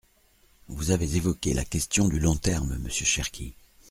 Vous avez évoqué la question du long terme, monsieur Cherki.